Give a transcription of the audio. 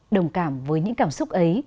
đồng cảm với những cảm xúc ấy